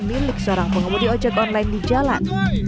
milik seorang pengemudi ojek online di jalan